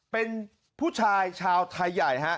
เป็นผู้ชายชาวไทยใหญ่ฮะ